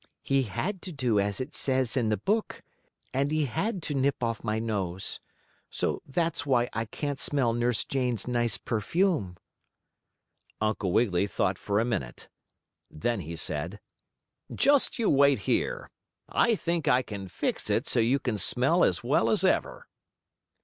"He had to do as it says in the book, and he had to nip off my nose. So that's why I can't smell Nurse Jane's nice perfume." Uncle Wiggily thought for a minute. Then he said: "Just you wait here. I think I can fix it so you can smell as well as ever."